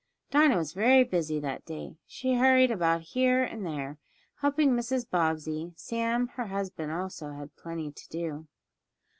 Dinah was very busy that day. She hurried about here and there, helping Mrs. Bobbsey. Sam, her husband, also had plenty to do.